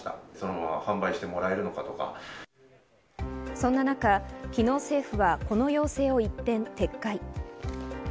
そんな中、昨日政府はこの要請を一転、撤回。